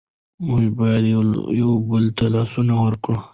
موږ باید یو بل ته لاسونه ورکړو.